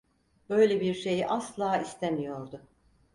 Böyle bir şeyi asla istemiyordu.